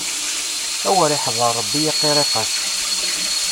Awer iḥeddaṛ Ṛebbi i qiriqac.